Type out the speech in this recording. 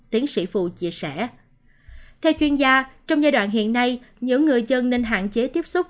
theo chuyên gia trong giai đoạn hiện nay những người dân nên hạn chế tiếp xúc